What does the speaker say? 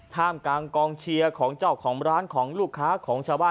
ท่ามกลางกองเชียร์ของเจ้าของร้านของลูกค้าของชาวบ้าน